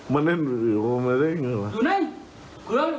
มันอื่นมันอื่นมันอื่นมันอื่น